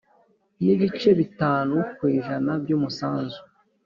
N ibice bitanu ku ijana y umusanzu